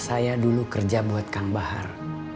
saya dulu kerja buat kang bahar